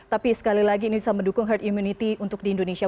tapi sekali lagi ini bisa mendukung herd immunity untuk di indonesia